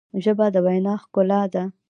ژبه د وینا ښکلا ده.